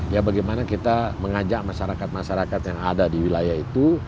ya bagaimana kita mengajak masyarakat masyarakat yang ada di wilayah itu